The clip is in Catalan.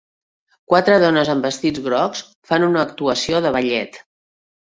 Quatre dones amb vestits grocs fan una actuació de ballet.